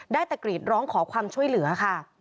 ตะกรีดร้องขอความช่วยเหลือค่ะ